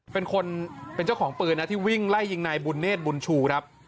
เป็นคนเป็นเจ้าของปืนนะที่วิ่งไล่ยิงนายบุญเนธบุญชูครับ